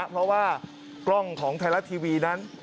เพราะว่ากล้องของไทยรัฐทีวีนั้น